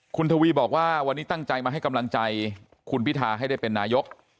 คุณทวีบอกว่าวันนี้ตั้งใจมาให้กำลังใจคุณพิทาให้ได้เป็นนายก